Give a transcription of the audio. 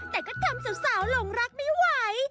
แต่ก็ทำสาวหลงรักไม่ไหว